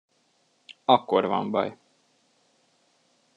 Akkor van baj.